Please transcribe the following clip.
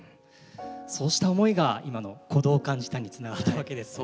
そうした思いが今の鼓動を感じたにつながったわけですね。